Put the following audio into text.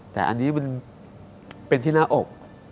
แต่อันนี้มันเป็นที่หน้าอก